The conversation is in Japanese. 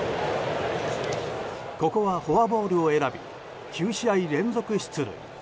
ここはフォアボールを選び９試合連続出塁。